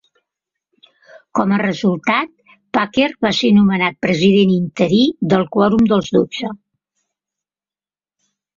Com a resultat, Packer va ser nomenat president interí del quòrum dels dotze.